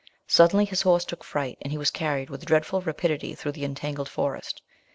Suddenly his horse took fright, and he was carried with dreadful rapidity through the entangled forest.